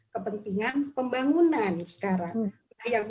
kepentingan pembangunan sekarang